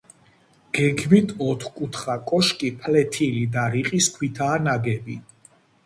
გეგმით ოთხკუთხა კოშკი ფლეთილი და რიყის ქვითაა ნაგები.